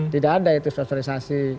tidak ada itu sosialisasi